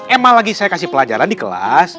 emang lagi saya kasih pelajaran di kelas